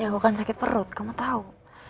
ya aku kan sakit perut kamu tau